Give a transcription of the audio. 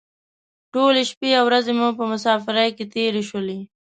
ټولې شپې او ورځې مو په مسافرۍ کې تېرې شولې.